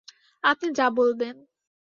আপনি যা বলবেন।